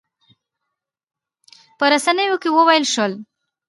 په رسنیو کې وویل شول.